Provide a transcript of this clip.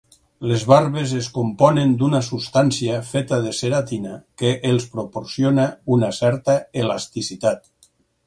Les barbes es componen d'una substància feta de ceratina que els proporciona una certa elasticitat.